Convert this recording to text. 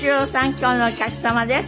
今日のお客様です。